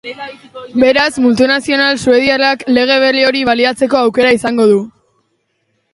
Beraz, multinazional suediarrak lege berri hori baliatzeko aukera izango du.